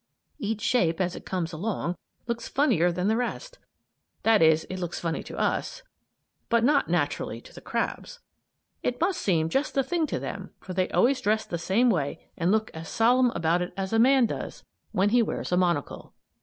Each shape, as it comes along, looks funnier than the rest; that is, it looks funny to us, but not, naturally, to the crabs. It must seem just the thing to them, for they always dress the same way and look as solemn about it as a man does when he wears a monocle.